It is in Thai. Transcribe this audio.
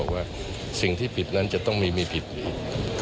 ว่าสิ่งที่ผิดนั้นจะต้องมีผิด